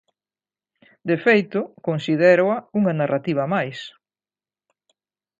De feito, considéroa unha narrativa máis.